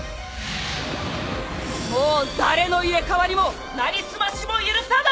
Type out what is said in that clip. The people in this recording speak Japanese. もう誰の入れ替わりも成り済ましも許さない！